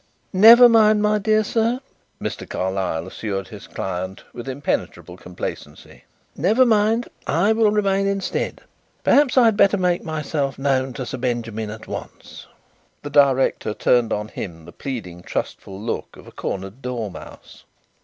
"Never mind, my dear sir," Mr. Carlyle assured his client, with impenetrable complacency. "Never mind. I will remain instead. Perhaps I had better make myself known to Sir Benjamin at once." The director turned on him the pleading, trustful look of a cornered dormouse.